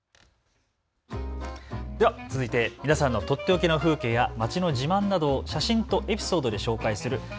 では続いて皆さんのとっておきの風景や街の自慢などを写真とエピソードで紹介する＃